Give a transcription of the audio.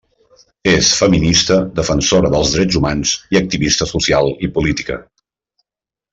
És feminista, defensora dels drets humans, i activista social i política.